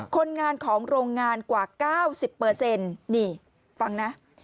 คนงานของโรงงานกว่า๙๐นี่ฟังนะ